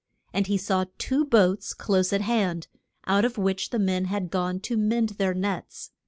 And he saw two boats close at hand, out of which the men had gone to mend their nets.